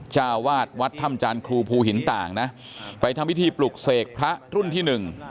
เจ้าวาดวัดถ้ำจานครูภูหินต่างนะไปทำพิธีปลุกเสกพระรุ่นที่หนึ่ง